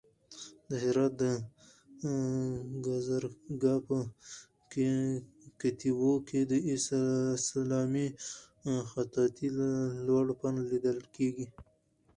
د هرات د گازرګاه په کتيبو کې د اسلامي خطاطۍ لوړ فن لیدل کېږي.